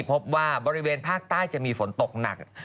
พบว่าบริเวณภาคใต้จะมีฝนตกหนัก